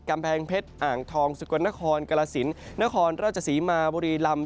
กำแพงเพชรอ่างทองสกลนครกรสินนครราชศรีมาบุรีลำ